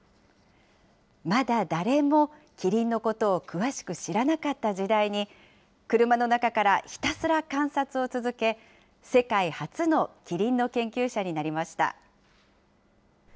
まだ誰もキリンのことを詳しく知らなかった時代に、車の中からひたすら観察を続け、世界初のキリンの研究者になりました。